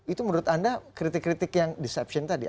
itu menurut anda kritik kritik yang deception tadi